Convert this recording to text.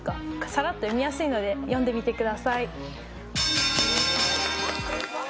さらっと読みやすいので読んでみてください！